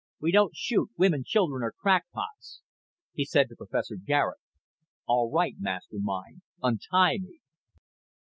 "We don't shoot women, children, or crackpots." He said to Professor Garet, "All right, mastermind, untie me."